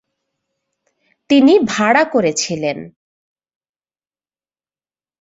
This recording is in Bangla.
তিনি ভাড়া করে ছিলেন।